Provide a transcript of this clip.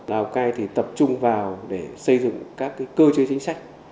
lào cai thì tập trung vào để xây dựng các cơ chế chính sách